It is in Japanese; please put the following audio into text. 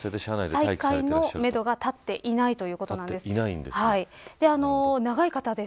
再開のめどが立っていないということです。